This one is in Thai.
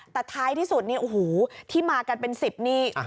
แต่ท้ายที่สุดที่มากันเป็นสิบนี่